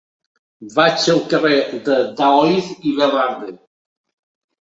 Vaig al carrer de Daoíz i Velarde.